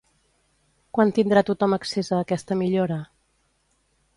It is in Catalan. Quan tindrà tothom accés a aquesta millora?